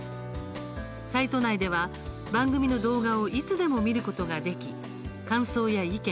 サイト内では、番組の動画をいつでも見ることができ感想や意見